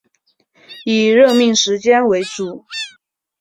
以任命时间为主